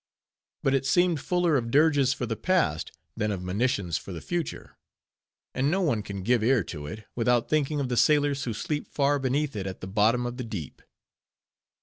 But it seemed fuller of dirges for the past, than of monitions for the future; and no one can give ear to it, without thinking of the sailors who sleep far beneath it at the bottom of the deep.